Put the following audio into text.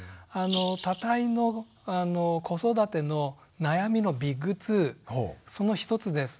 多胎の子育ての悩みのビッグ２その１つです。